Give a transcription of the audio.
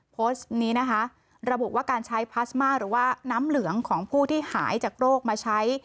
โพสต์นี้นะคะระบุว่าการใช้พลาสมาหรือว่าน้ำเหลืองของผู้ที่หายจากโรคมาใช้